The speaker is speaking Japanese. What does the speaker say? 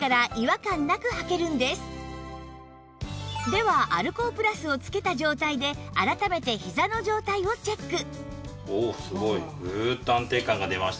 ではアルコープラスを着けた状態で改めてひざの状態をチェック